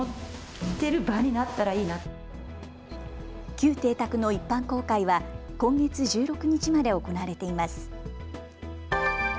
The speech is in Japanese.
旧邸宅の一般公開は今月１６日まで行われています。